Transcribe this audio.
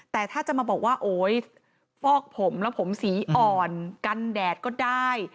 แต่ถ้าจะมาบอกว่าโอ๊ยฟอกผมแล้วผมสีอ่อนกันแดดก็ได้